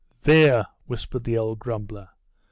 'There!' whispered the old grumbler.